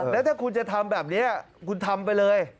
แล้วถ้าคุณจะทำแบบนี้คุณทำไปเลย